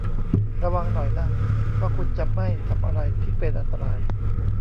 ระวังหน่อยนะว่าคุณจะไม่ทำอะไรที่เป็นอันตราย